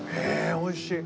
おいしい！